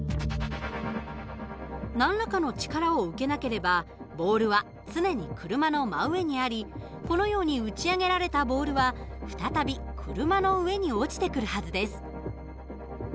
何らかの力を受けなければボールは常に車の真上にありこのように打ち上げられたボールは再び車の上に落ちてくるはずです。